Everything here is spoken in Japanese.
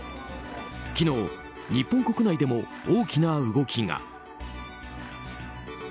昨日、日本国内でも大きな動きが。